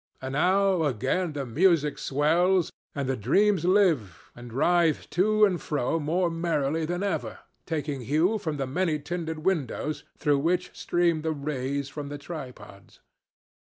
And now again the music swells, and the dreams live, and writhe to and fro more merrily than ever, taking hue from the many tinted windows through which stream the rays from the tripods.